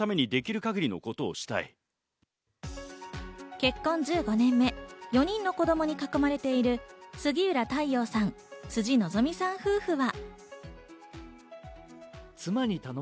結婚１５年目、４人の子供に囲まれている杉浦太陽さん、辻希美さん夫婦は。